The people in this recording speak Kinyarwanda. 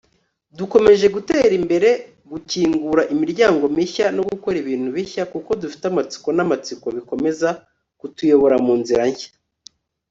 dukomeje gutera imbere, gukingura imiryango mishya, no gukora ibintu bishya, kuko dufite amatsiko n'amatsiko bikomeza kutuyobora mu nzira nshya